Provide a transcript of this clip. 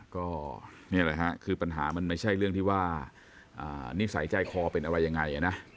ก็นี่แหละฮะคือปัญหามันไม่ใช่เรื่องที่ว่านิสัยใจคอเป็นอะไรยังไงนะ